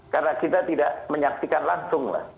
karena kita tidak menyaksikan langsung lah